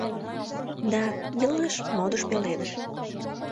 Да, илыш — модыш-пеледыш.